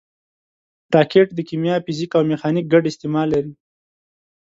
راکټ د کیمیا، فزیک او میخانیک ګډ استعمال لري